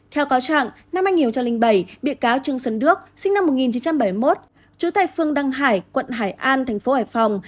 theo cáo trạng năm hai nghìn bảy bị cáo trương sơn đước sinh năm một nghìn chín trăm bảy mươi một chú tài phương đăng hải quận hải an thành phố hải phòng